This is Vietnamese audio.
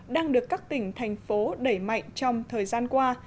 đang được các tỉnh thành phố đẩy mạnh trong thời gian qua